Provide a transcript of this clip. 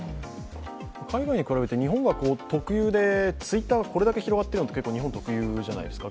海外に比べて日本が特有でＴｗｉｔｔｅｒがこれだけ広がってるのって日本特有じゃないですか。